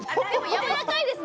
やわらかいです。